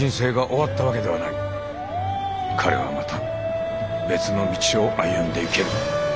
彼はまた別の道を歩んでいける。